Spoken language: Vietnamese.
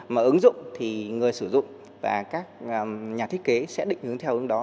mà ứng dụng thì người sử dụng và các nhà thiết kế sẽ định hướng theo ứng đó